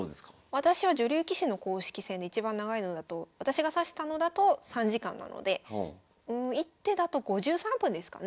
私は女流棋士の公式戦でいちばん長いのだと私が指したのだと３時間なので１手だと５３分ですかね。